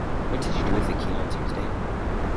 What did you do with the key on Tuesday?